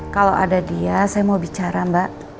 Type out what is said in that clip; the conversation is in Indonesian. kalau ada dia saya mau bicara mbak